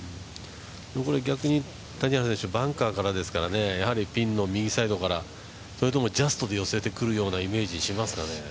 逆に、谷原選手バンカーからですからね、やはりピンの右サイドからそれともジャストで寄せてくるような感じがしますかね？